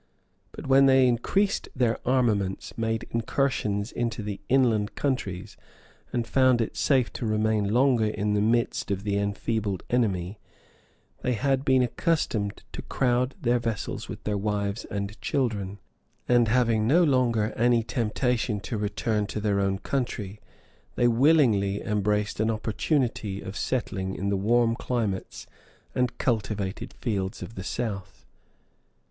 But when they increased their armaments, made incursions into the inland countries, and found it safe to remain longer in the midst of the enfeebled enemy, they had been accustomed to crowd their vessels with their wives and children, and having no longer any temptation to return to their own country, they willingly embraced an opportunity of settling in the warm climates and cultivated fields of the south.